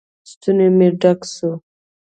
ستونى مې ډک سو.